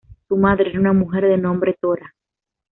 Su madre era una mujer de nombre Tora.